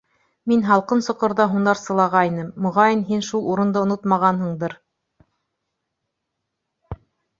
Мин һалҡын Соҡорҙа һунарсылағайным, моғайын, һин шул урынды онотмағанһыңдыр.